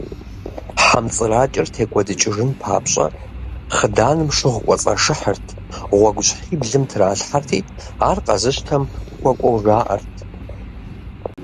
Хьэмцӏыракӏэр текӏуэдыкӏыжын папщӏэ, хъыданым шыгъу кӏуэцӏашыхьырт, гъуэгущхьиблым тралъхьэрти, ар къэзыщтэм хуэкӏуэу жаӏэрт.